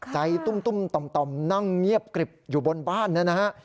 ตุ้มต่อมนั่งเงียบกริบอยู่บนบ้านนะฮะ